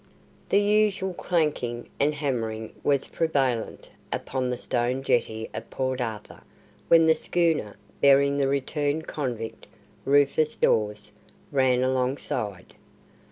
The usual clanking and hammering was prevalent upon the stone jetty of Port Arthur when the schooner bearing the returned convict, Rufus Dawes, ran alongside.